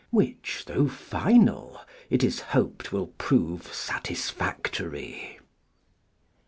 Which, Though Final, It Is Hoped Will Prove Satisfactory.